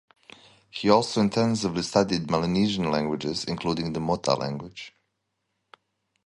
He also intensively studied Melanesian languages, including the Mota language.